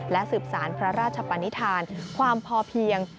และสืบสารพระราชปนิษฐานความพอเพียง